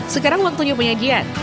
sekarang waktunya penyajian